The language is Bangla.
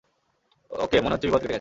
ওকে, মনে হচ্ছে বিপদ কেটে গেছে!